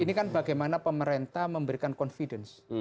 ini kan bagaimana pemerintah memberikan confidence